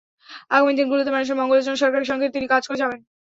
আগামী দিনগুলোতেও মানুষের মঙ্গলের জন্য সরকারের সঙ্গে তিনি কাজ করে যাবেন।